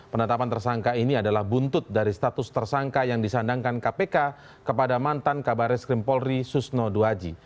penetapan tersangka ini adalah buntut dari status tersangka yang disandangkan kpk kepada mantan kabar reskrim polri susno duhaji